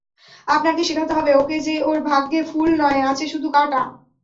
আপনাকে শেখাতে হবে ওকে যে ওর ভাগ্যে ফুল নয় আছে শুধু কাঁটা।